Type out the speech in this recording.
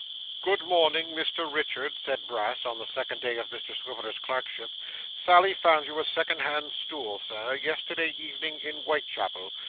'Good morning, Mr Richard,' said Brass, on the second day of Mr Swiveller's clerkship. 'Sally found you a second hand stool, Sir, yesterday evening, in Whitechapel.